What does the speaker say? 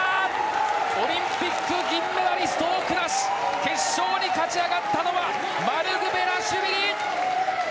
オリンピック銀メダリストを下し決勝に勝ち上がったのはマルクベラシュビリ！